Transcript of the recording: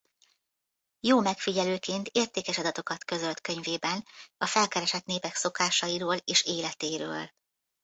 Jó megfigyelőként értékes adatokat közölt könyvében a felkeresett népek szokásairól és életéről.